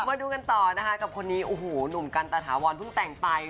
มาดูกันต่อนะคะกับคนนี้โอ้โหหนุ่มกันตะถาวรเพิ่งแต่งไป